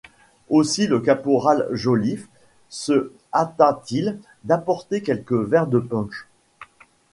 Aussi le caporal Joliffe se hâta-t-il d’apporter quelques verres de punch.